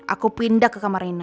aku pindah ke kamar rina